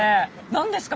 何ですか？